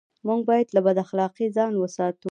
موږ بايد له بد اخلاقۍ ځان و ساتو.